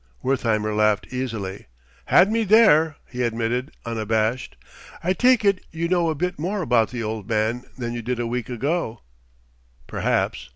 Wertheimer laughed easily. "Had me there!" he admitted, unabashed. "I take it you know a bit more about the Old Man than you did a week ago?" "Perhaps."